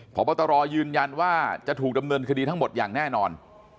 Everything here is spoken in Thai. พบตรยืนยันว่าจะถูกดำเนินคดีทั้งหมดอย่างแน่นอน